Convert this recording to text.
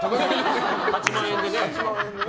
８万円でね。